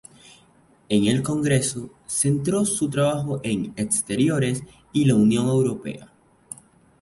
En el Congreso centró su trabajo en Exteriores y la Unión Europea.